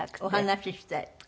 お話ししたい？